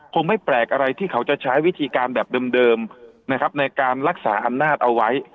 คงไม่แปลกอะไรที่เขาจะใช้วิธีการแบบเดิมนะครับในการรักษาอำนาจเอาไว้